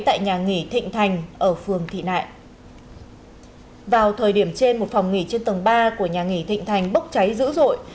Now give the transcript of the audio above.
điều phòng nghỉ trên tầng ba của nhà nghỉ thịnh thành bốc cháy dữ dội